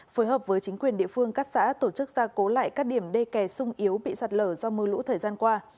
phối hợp với chính quyền địa phương các xã tổ chức gia cố lại các điểm đê kè sung yếu bị sạt lở do mưa lũ thời gian qua